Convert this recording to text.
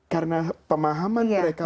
karena pemahaman mereka